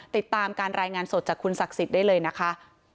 ติดตามการรายงานสดจากคุณศักดิ์สิทธิ์ได้เลยนะคะ